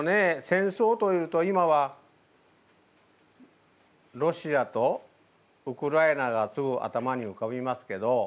戦争というと今はロシアとウクライナがすぐ頭にうかびますけど。